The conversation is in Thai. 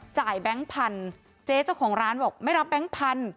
แบงค์พันธุ์เจ๊เจ้าของร้านบอกไม่รับแบงค์พันธุ